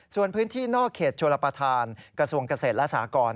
ส่วนพื้นที่นอกเขตโชลประธานกระทรวงเกษตรและสากร